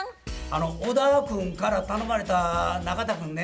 小田君から頼まれた中田君ね